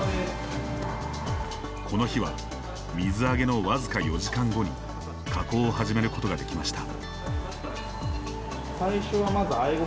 この日は水揚げの僅か４時間後に加工を始めることができました。